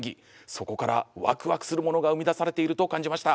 そこからワクワクするものが生み出されていると感じました。